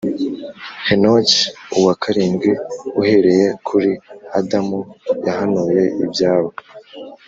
henoki uwa karindwi uhereye kuri adamu yahanuye ibyabo